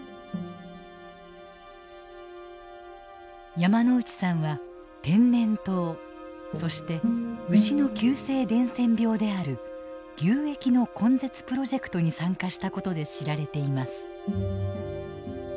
山内さんは天然痘そして牛の急性伝染病である牛疫の根絶プロジェクトに参加したことで知られています。